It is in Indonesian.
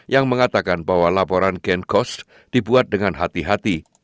yang mengatakan bahwa laporan gen cost dibuat dengan hati hati